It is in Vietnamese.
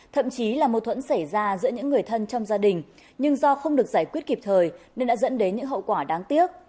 thậm chí là mâu thuẫn xảy ra giữa những người thân trong gia đình nhưng do không được giải quyết kịp thời nên đã dẫn đến những hậu quả đáng tiếc